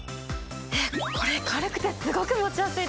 えっこれ軽くてすごく持ちやすいです！